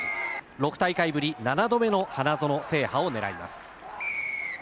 ６大会ぶり７度目の花園制覇を狙います